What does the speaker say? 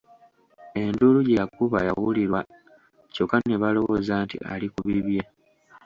Enduulu gye yakuba yawulirwa kyokka ne balowooza nti ali ku bibye.